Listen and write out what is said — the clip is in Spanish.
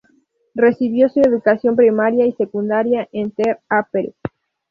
Recibió su educación primaria y secundaria en Ter Apel.